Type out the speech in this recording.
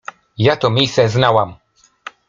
ja to miejsce znałam.